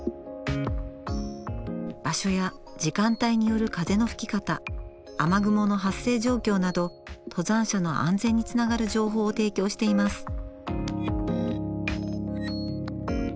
場所や時間帯による風の吹き方雨雲の発生状況など登山者の安全につながる情報を提供しています。